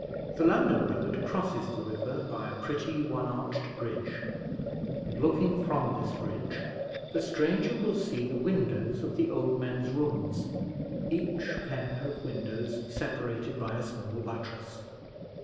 The London road crosses the river by a pretty one arched bridge, and, looking from this bridge, the stranger will see the windows of the old men's rooms, each pair of windows separated by a small buttress.